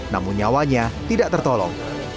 namun nyawanya tidak tertolong